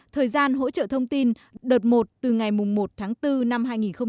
thời gian hỗ trợ thông tin đợt một từ ngày một tháng bốn năm hai nghìn một mươi bảy